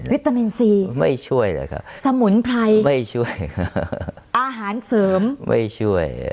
ตามินซีไม่ช่วยเหรอคะสมุนไพรไม่ช่วยค่ะอาหารเสริมไม่ช่วย